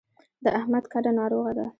د احمد کډه ناروغه ده.